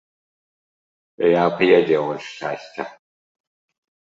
Я ап'янеў ад шчасця.